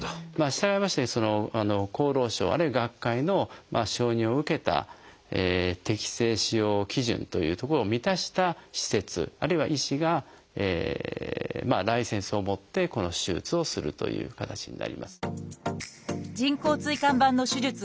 したがいまして厚労省あるいは学会の承認を受けた適正使用基準というところを満たした施設あるいは医師がライセンスを持ってこの手術をするという形になります。